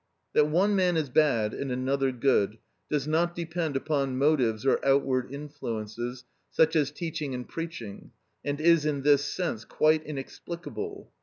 That one man is bad and another good, does not depend upon motives or outward influences, such as teaching and preaching, and is in this sense quite inexplicable.